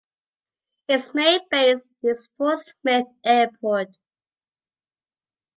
Its main base is Fort Smith Airport.